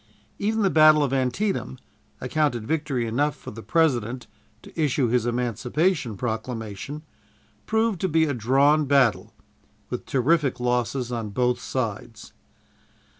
Even the battle of Antietam, accounted victory enough for the President to issue his Emancipation Proclamation, proved to be a drawn battle, with terrific losses on both sides.